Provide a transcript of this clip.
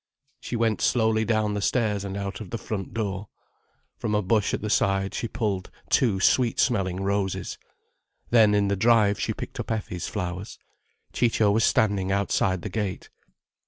She went slowly down the stairs and out of the front door. From a bush at the side she pulled two sweet smelling roses. Then in the drive she picked up Effie's flowers. Ciccio was standing outside the gate.